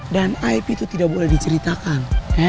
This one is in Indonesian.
dan aib itu tidak boleh diceritakan